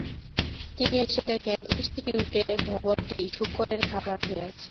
তিনি এসে দেখেন ইনস্টিটিউটের ভবনটি শূকরের খামাড় হয়ে আছে।